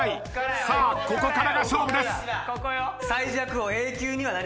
さあここからが勝負です。